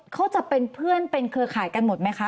เขาจะเป็นเพื่อนเป็นเครือข่ายกันหมดไหมคะ